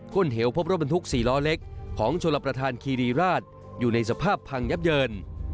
้นเหวพบรถบรรทุก๔ล้อเล็กของชลประธานคีรีราชอยู่ในสภาพพังยับเยิน